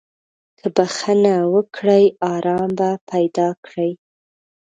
که بخښنه وکړې، ارام به پیدا کړې.